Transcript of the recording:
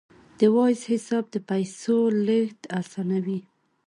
د وایز حساب د پیسو لیږد اسانوي.